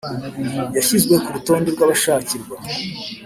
Yashyizwe ku rutonde rw abashakirwa